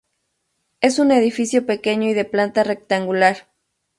Es un edificio pequeño y de planta rectangular.